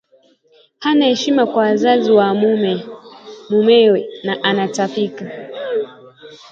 hana heshima kwa wazazi wa mumewe na anatapika